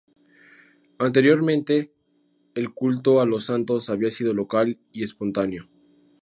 Anteriormente, el culto a los santos había sido local y espontáneo.